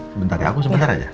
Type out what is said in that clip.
sebentar ya aku sebentar aja